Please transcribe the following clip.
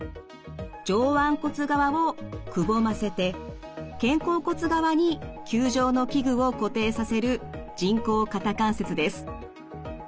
上腕骨側をくぼませて肩甲骨側に球状の器具を固定させる人工肩関節です。